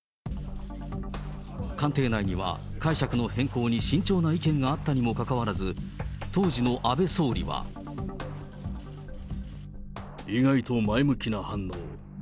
官邸内には解釈の変更に慎重な意見があったにもかかわらず、意外と前向きな反応。